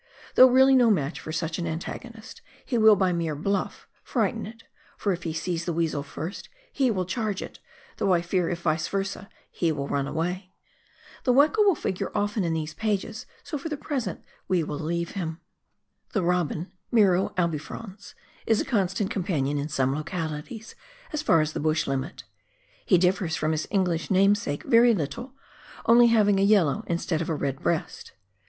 Though really no match for such an antagonist, he will by mere " bluff " frighten it, for if he sees the weasel first he will charge it, though I fear if vice versa, he will run away. The weka will figure often in these pages, so for the present we will leave him. The robin (Miro albifrons) is a constant companion in some localities, as far as the bush limit ; he differs from his English namesake very little, only having a yellow instead of a red breast.